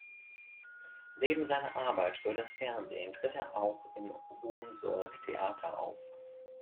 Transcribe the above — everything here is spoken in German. Neben seiner Arbeit für das Fernsehen tritt er auch im Ohnsorg-Theater auf.